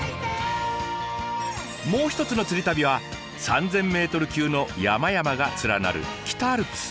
もう一つの釣り旅は３，０００ｍ級の山々が連なる北アルプス。